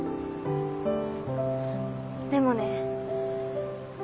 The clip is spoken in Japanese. でもね